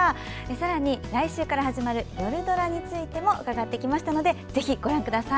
さらに来週から始まるよるドラについても伺ってきましたのでぜひ、ご覧ください。